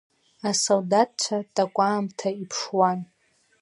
Асолдаҭцәа такәаамҭа иԥшаауан.